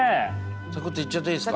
サクッといっちゃっていいですか？